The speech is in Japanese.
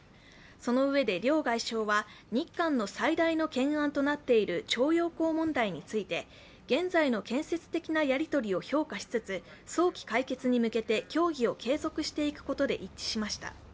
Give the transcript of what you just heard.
そのうえで両外相は日韓の最大の懸案となっている徴用工問題について、現在の建設的なやりとりを評価しつつ早期解決に向けて協議を継続していくことで一致しました。